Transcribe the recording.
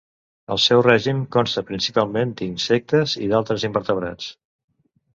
El seu règim consta principalment d'insectes i d'altres invertebrats.